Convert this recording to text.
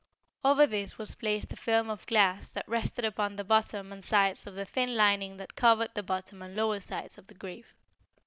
Over this was placed a film of glass that rested upon the bottom and sides of the thin lining that covered the bottom and lower sides of the grave.